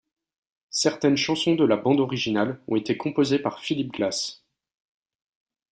Certaines chansons de la bande originale ont été composées par Philip Glass.